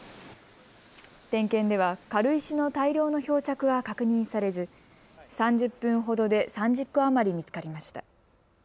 点検では軽石の大量の漂着は確認されず３０分ほどで３０個余り見つかりました。